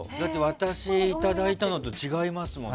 私いただいたのと違いますもん。